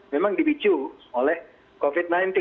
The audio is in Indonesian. memang dipicu oleh covid sembilan belas